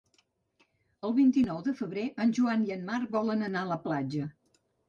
El vint-i-nou de febrer en Joan i en Marc volen anar a la platja.